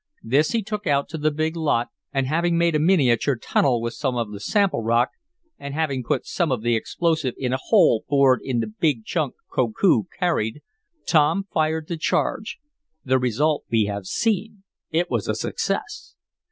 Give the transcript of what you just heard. This he took out to the big lot, and having made a miniature tunnel with some of the sample rock, and having put some of the explosive in a hole bored in the big chunk Koku carried, Tom fired the charge. The result we have seen. It was a success.